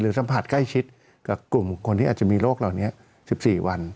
สัมผัสใกล้ชิดกับกลุ่มคนที่อาจจะมีโรคเหล่านี้๑๔วัน